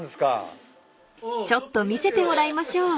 ［ちょっと見せてもらいましょう］